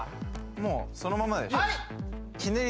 もうそのままでしょう